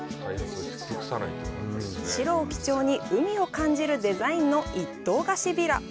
白を基調に海を感じるデザインの一棟貸しヴィラ。